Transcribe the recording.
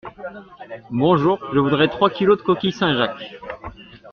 Bonjour, je voudrais trois kilos de coquilles Saint-Jacques.